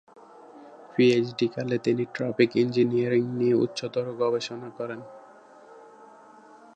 PhD কালে তিনি traffic engineering নিয়ে উচ্চতর গবেষণা করেন।